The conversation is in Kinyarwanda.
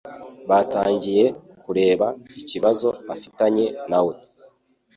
Batangiye kureba ikibazo afitanye nawe.